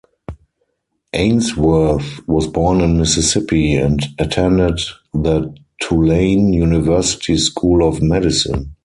Ainsworth was born in Mississippi and attended the Tulane University School of Medicine.